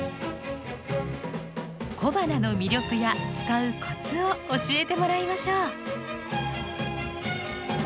小花の魅力や使うコツを教えてもらいましょう。